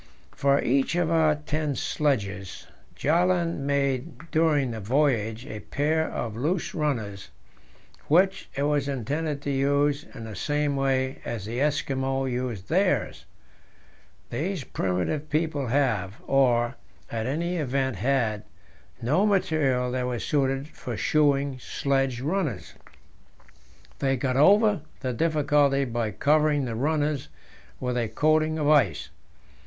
For each of our ten sledges, Bjaaland made during the voyage a pair of loose runners, which it was intended to use in the same way as the Eskimo use theirs. These primitive people have or, at all events, had no material that was suited for shoeing sledge runners. They get over the difficulty by covering the runners with a coating of ice.